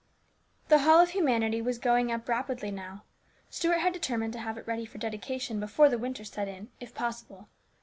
The Hall of Humanity was going up rapidly now. Stuart had determined to have it ready for dedication before the winter set in if possible.